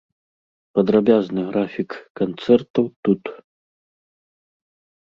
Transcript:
Падрабязны графік канцэртаў тут.